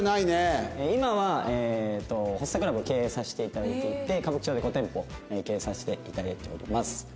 今はホストクラブを経営させて頂いていて歌舞伎町で５店舗経営させて頂いております。